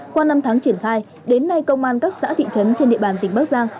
qua năm tháng triển khai đến nay công an các xã thị trấn trên địa bàn tỉnh bắc giang